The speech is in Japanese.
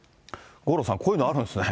五郎さん、こういうのあるんですね。